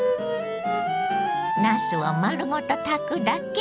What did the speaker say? なすを丸ごと炊くだけ。